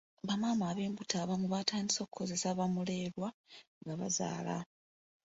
Bamaama ab'embuto abamu batandise kukozesa bamulerwa nga bazaala.